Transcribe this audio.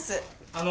あの。